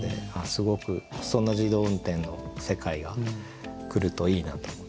すごくそんな自動運転の世界が来るといいなと思って。